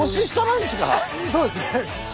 そうですね。